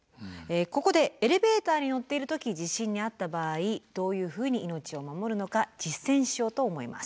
ここでエレベーターに乗っている時地震に遭った場合どういうふうに命を守るのか実践しようと思います。